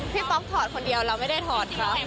ป๊อกถอดคนเดียวเราไม่ได้ถอดครับ